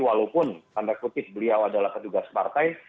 walaupun tanda kutip beliau adalah petugas partai